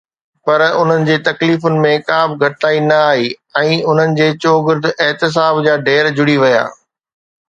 پر انهن جي تڪليفن ۾ ڪا به گهٽتائي نه آئي ۽ انهن جي چوگرد احتساب جا ڍير جڙي ويا.